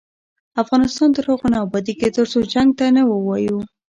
افغانستان تر هغو نه ابادیږي، ترڅو جنګ ته نه ووایو.